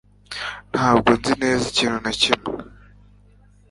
Ntabwo rwose nzi neza ikintu na kimwe